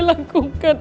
tentang tolong ya